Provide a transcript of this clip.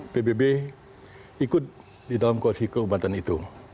pbb ikut di dalam koalisi keumatan itu